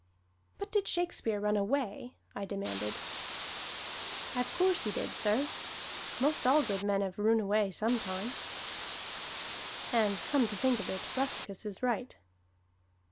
"But did Shakespeare run away?" I demanded. "Ave coorse he deed, sir; 'most all good men 'ave roon away sometime!" And come to think of it Rusticus is right.